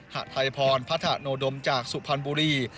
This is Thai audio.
หัดไทยพรพัฒโนดมจากสุพรรณบุรี